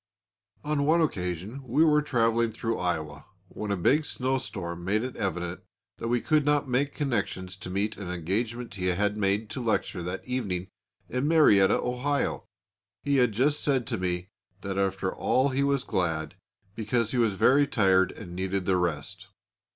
On one occasion we were travelling through Iowa, when a big snow storm made it evident that we could not make connections to meet an engagement he had made to lecture that evening in Marietta, Ohio. He had just said to me that after all he was glad, because he was very tired and needed the rest.